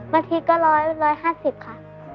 บางทีก็ร้อยร้อยห้าสิบค่ะ